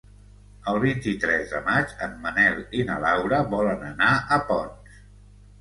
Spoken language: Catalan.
El vint-i-tres de maig en Manel i na Laura volen anar a Ponts.